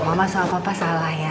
mama soal papa salah ya